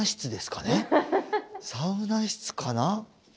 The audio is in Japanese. サウナ室かな？